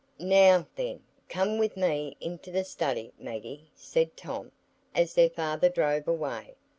"Now, then, come with me into the study, Maggie," said Tom, as their father drove away.